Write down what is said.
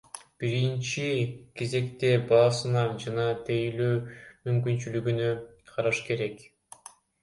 Биринчи кезекте баасына жана тейлөө мүмкүнчүлүгүнө караш керек.